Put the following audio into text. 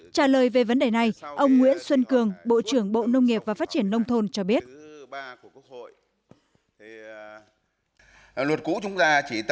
trả lời về vấn đề này ông nguyễn xuân cường bộ trưởng bộ nông nghiệp và phát triển nông thôn cho biết